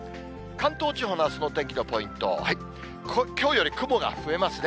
関東地方のあすのお天気のポイント、きょうより雲が増えますね。